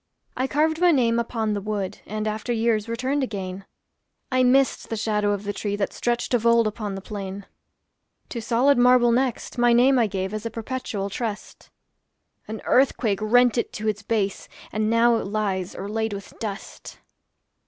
I carved my name upon the wood, And, after years, returned again; I missed the shadow of the tree That stretched of old upon the plain. To solid marble next, my name I gave as a perpetual trust; An earthquake rent it to its base, And now it lies, o'erlaid with dust.